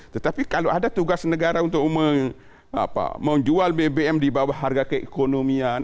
tetapi kalau ada tugas negara untuk menjual bbm di bawah harga keekonomian